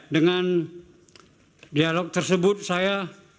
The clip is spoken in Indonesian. dengan dialog tersebut saya